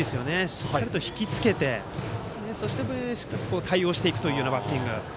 しっかりと引き付けて対応していくバッティング。